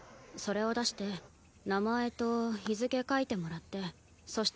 それを出して名前と日付書いてもらってそ